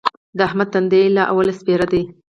د احمد تندی له اوله سپېره دی.